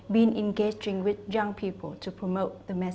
để phát triển thông tin vào năm hai nghìn hai mươi